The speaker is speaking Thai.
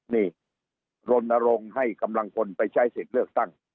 นี่รณรงค์ให้กำลังคนไปใช้สิทธิ์เลือกตั้ง